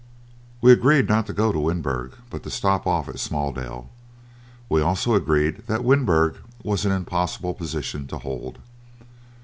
We agreed not to go to Winburg, but to stop off at Smaaldel. We also agreed that Winburg was an impossible position to hold.